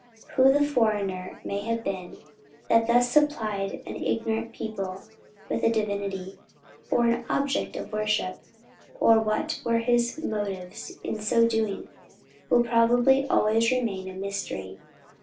Who the "foreigner" may have been, that thus supplied an ignorant people with a Divinity, or object of worship; or what were his motives in so doing, will probably always remain a mystery.